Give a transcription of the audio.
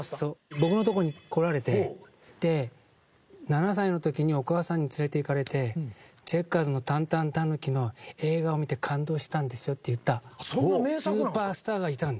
僕のとこに来られてで７歳の時にお母さんに連れていかれてチェッカーズの『ＴＡＮＴＡＮたぬき』の映画を見て感動したんですよって言ったスーパースターがいたんです。